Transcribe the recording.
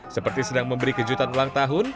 seperti sedang memberi kejutan ulang tahun